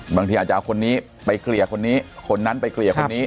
บางทีอาจจะเอาคนนี้ไปเกลี่ยคนนี้คนนั้นไปเกลี่ยคนนี้